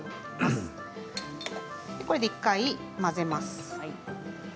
これで１回混ぜます。